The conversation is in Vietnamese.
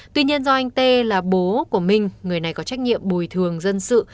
tuy nhiên do anh tê là bố của minh người này có trách nhiệm bồi thường dân sự